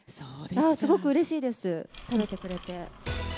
すごくうれしいです、食べてくれて。